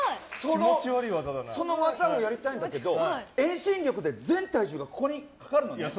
その技をやりたいんだけど遠心力で全体重がここにかかるのね。